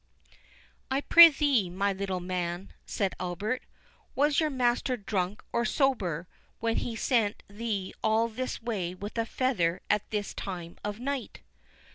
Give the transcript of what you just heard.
"I prithee, my little man," said Albert, "was your master drunk or sober, when he sent thee all this way with a feather at this time of night?"